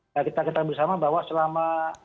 nah kita ketahui bersama bahwa selama